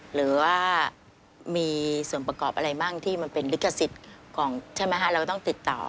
หรือว่ามีส่วนประกอบอะไรบ้างที่มันเป็นลิขสิกเราต้องติดต่อ